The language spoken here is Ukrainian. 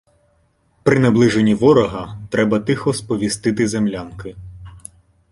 При наближенні ворога треба тихо сповістити землянки.